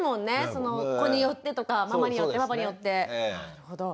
その子によってとかママによってパパによって。なるほど。